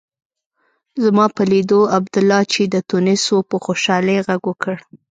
زما په لیدو عبدالله چې د تونس و په خوشالۍ غږ وکړ.